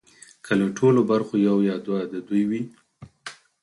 که له ټولو برخو یو یا دوه د دوی وي